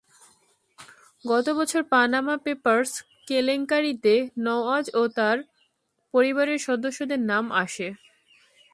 গত বছর Panama papers কেলেঙ্কারিতে নওয়াজ ও তাঁর পরিবারের সদস্যদের নাম আসে।